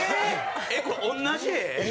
これ同じ絵？